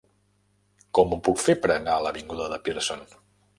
Com ho puc fer per anar a l'avinguda de Pearson?